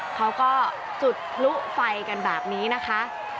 เขาก็จุดพลุไฟกันแบบนี้นะคะ